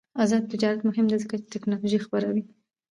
آزاد تجارت مهم دی ځکه چې تکنالوژي خپروي.